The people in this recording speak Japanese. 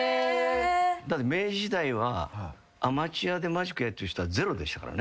だって明治時代はアマチュアでマジックやるって人はゼロでしたからね。